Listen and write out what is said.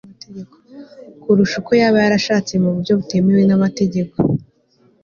kurusha uko yaba yarashatse mu buryo butemewe n'amategeko